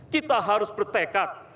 kita harus bertekad